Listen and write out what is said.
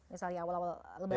misalnya awal awal lebaran